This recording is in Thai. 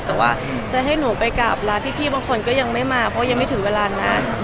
แต่ว่าจะให้หนูไปกลับร้านพี่บางคนก็ยังไม่มาเพราะยังไม่ถึงเวลานั้น